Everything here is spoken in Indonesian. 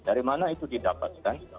dari mana itu didapatkan